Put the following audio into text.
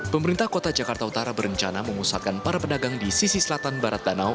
pemerintah kota jakarta utara berencana memusatkan para pedagang di sisi selatan barat danau